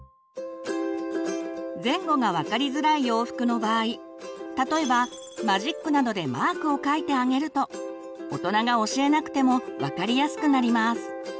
前後が分かりづらい洋服の場合例えばマジックなどでマークを書いてあげると大人が教えなくても分かりやすくなります。